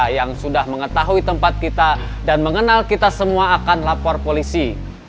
yang sudah mengetahui tempat kita dan mengenal kita semua akan lapor polisi